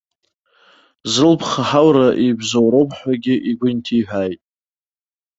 Зылԥха ҳаура ибзоуроуп ҳәагьы игәы инҭиҳәааит.